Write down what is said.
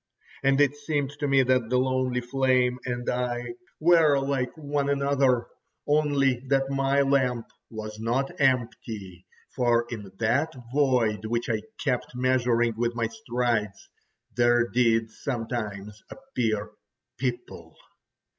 And it seemed to me that the lonely flame and I were like one another, only that my lamp was not empty, for in that void, which I kept measuring with my strides, there did sometimes appear people.